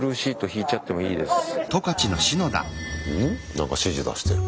何か指示出してる。